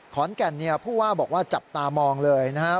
ขอนแก่นผู้ว่าบอกว่าจับตามองเลยนะฮะ